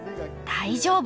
大丈夫！